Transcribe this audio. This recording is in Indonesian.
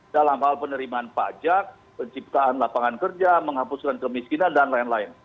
dalam hal penerimaan pajak penciptaan lapangan kerja menghapuskan kemiskinan dan lain lain